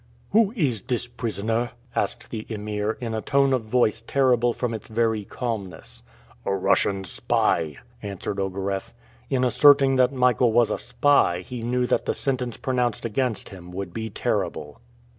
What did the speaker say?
"Who is this prisoner?" asked the Emir, in a tone of voice terrible from its very calmness. "A Russian spy," answered Ogareff. In asserting that Michael was a spy he knew that the sentence pronounced against him would be terrible.